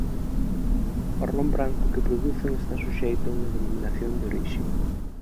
O ron branco que producen está suxeito a unha "Denominación de Orixe".